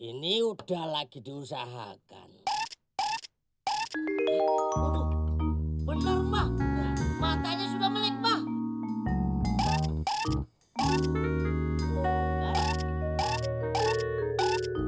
ini udah lagi diusahakan bener bener matanya sudah melek pak